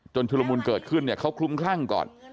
ชุลมุนเกิดขึ้นเนี่ยเขาคลุ้มคลั่งก่อน